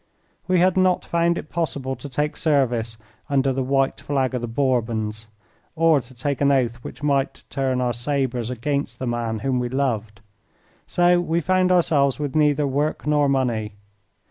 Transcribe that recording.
We had not found it possible to take service under the white flag of the Bourbons, or to take an oath which might turn our sabres against the man whom we loved. So we found ourselves with neither work nor money.